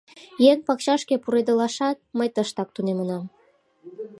Еҥ пакчашке пуредылашат мый тыштак тунемынам.